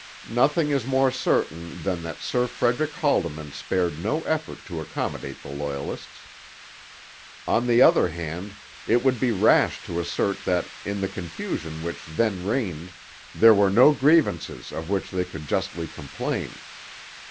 Nothing is more certain than that Sir Frederick Haldimand spared no effort to accommodate the Loyalists. On the other hand, it would be rash to assert that in the confusion which then reigned there were no grievances of which they could justly complain.